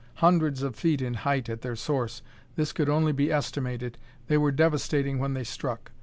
Hundreds of feet in height at their source this could only be estimated they were devastating when they struck.